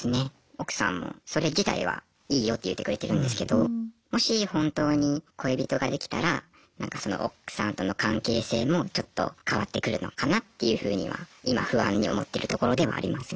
奥さんもそれ自体はいいよって言ってくれてるんですけどもし本当に恋人ができたらなんかその奥さんとの関係性もちょっと変わってくるのかなっていうふうには今不安に思ってるところでもありますね。